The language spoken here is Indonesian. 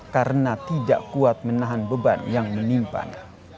karena tidak kuat menahan beban yang menimpan